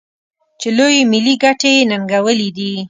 چې لویې ملي ګټې یې ننګولي دي.